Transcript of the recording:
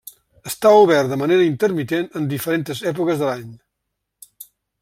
Està obert de manera intermitent en diferents èpoques de l'any.